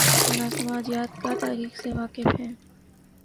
نہ سماجیات کا" تاریخ سے واقف ہیں۔